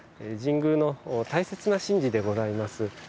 神宮の大切な神事でございます